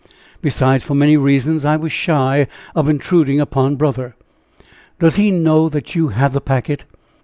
Besides, for many reasons, I was shy of intruding upon brother." "Does he know that you have the packet?"